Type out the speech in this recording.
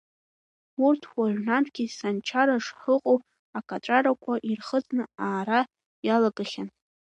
Урҭ уажәнатәгьы Санчара шыҟоу акаҵәарақәа ирхыҵны аара иалагахьан.